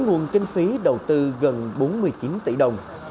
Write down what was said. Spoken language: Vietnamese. nguồn kinh phí đầu tư gần bốn mươi chín tỷ đồng